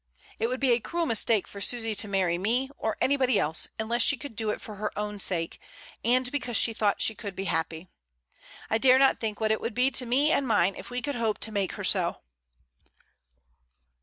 "It would be a cruel mis take for Susy to marry me, or anybody else, unless she could do it for her own sake, and because she thought she could be happy. I dare not think what it would be to me and mine if we could hopq to make her so."